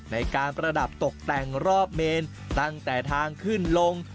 ประดับตกแต่งรอบเมนตั้งแต่ทางขึ้นลง